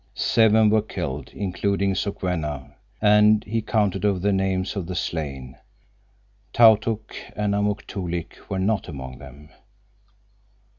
Seven were killed, including Sokwenna," and he counted over the names of the slain. Tautuk and Amuk Toolik were not among them.